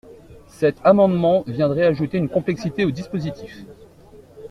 Cet amendement viendrait ajouter une complexité au dispositif.